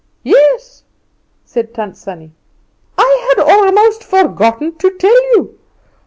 "Yes," said Tant Sannie; "I had almost forgotten to tell you.